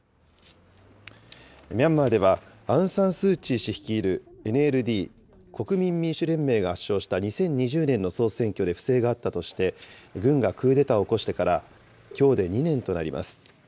ミャンマーでは、アウン・サン・スー・チー氏率いる、ＮＬＤ・国民民主連盟が圧勝した２０２０年の総選挙で不正があったとして、軍がクーデターを起こしてからきょうで２年となります。